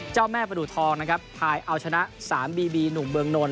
เจ้าแม่ประดูกทองเอาชนะ๓บีบีหนุ่มเบืองนล